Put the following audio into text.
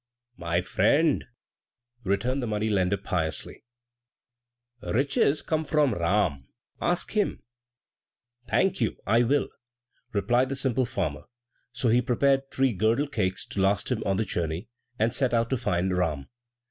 "My friend," returned the money lender, piously, "riches come from Ram ask him." "Thank you, I will!" replied the simple farmer; so he prepared three girdle cakes to last him on the journey, and set out to find Ram.